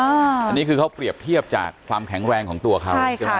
อันนี้คือเขาเปรียบเทียบจากความแข็งแรงของตัวเขาใช่ไหม